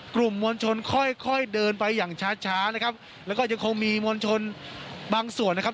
กลุ่มมวลชนค่อยค่อยเดินไปอย่างช้าช้านะครับแล้วก็ยังคงมีมวลชนบางส่วนนะครับ